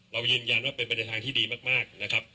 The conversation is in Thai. เรายืนยันว่าเป็นไปในทางที่ดีมากนะครับ